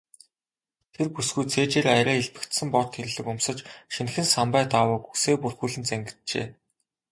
Тэр бүсгүй цээжээрээ арай элбэгдсэн бор тэрлэг өмсөж, шинэхэн самбай даавууг үсээ бүрхүүлэн зангиджээ.